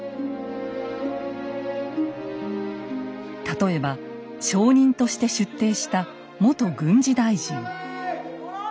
例えば証人として出廷した元軍事大臣。